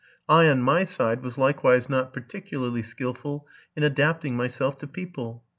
I, on my side, was likewise not particularly skilful in adapting my self to people.